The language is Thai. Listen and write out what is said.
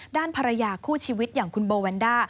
ด้านภรรยาคู่ชีวิตอย่างคุณโบแวนด้า